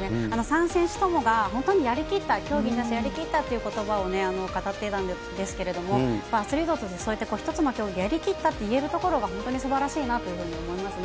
３選手ともが本当にやりきった、競技に対してやりきったということを語っていたんですけども、やっぱりアスリートとして一つの競技をやりきったといえるところがすばらしいなというふうに思いますね。